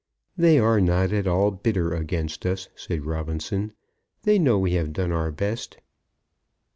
"They are not at all bitter against us," said Robinson. "They know we have done our best."